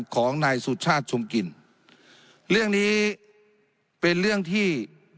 ของนายสุชาติชมกินเรื่องนี้เป็นเรื่องที่